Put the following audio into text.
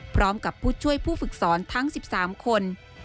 พร้อมกับผู้ช่วยผู้ฝึกสอนทั้ง๑๓คน